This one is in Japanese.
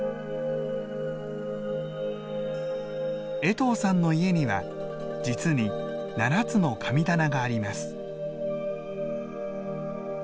江藤さんの家には実に７つの神棚があります。